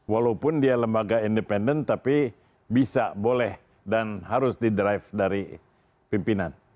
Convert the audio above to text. walaupun dia lembaga independen tapi bisa boleh dan harus di drive dari pimpinan